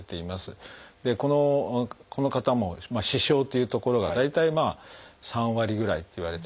この方も「視床」という所が大体３割ぐらいっていわれてます。